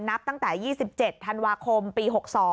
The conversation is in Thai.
นับตั้งแต่๒๗ธันวาคมปี๖๒